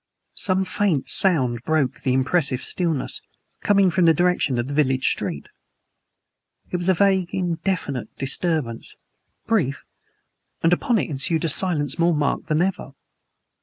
Some faint sound broke the impressive stillness, coming from the direction of the village street. It was a vague, indefinite disturbance, brief, and upon it ensued a silence more marked than ever.